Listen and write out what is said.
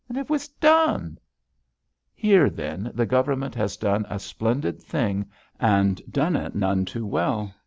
It was done. Here, then, the Government has done a splendid thing and done it none too well.